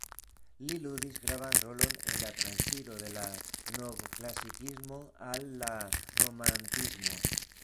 Li ludis gravan rolon en la transiro de la Novklasikismo al la Romantismo.